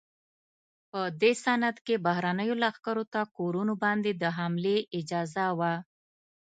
په دې سند کې بهرنیو لښکرو ته کورونو باندې د حملې اجازه وه.